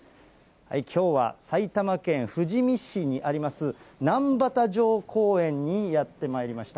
きょうは埼玉県富士見市にあります、難波田城公園にやってまいりました。